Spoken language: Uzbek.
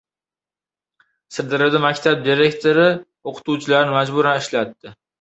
Sirdaryoda maktab direktori o‘qituvchilarni majburan ishlatdi